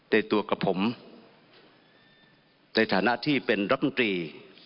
ในตัวกับผมในฐานะที่เป็นรัฐมนตรี